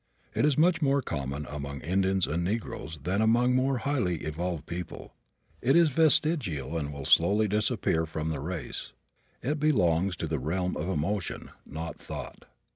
It is much more common among Indians and negroes than among more highly evolved people. It is vestigial and will slowly disappear from the race. It belongs to the realm of emotion, not thought.